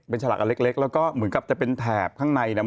เป็นฉลากอันเล็กแล้วก็มันก็จะเป็นแถบข้างในนะ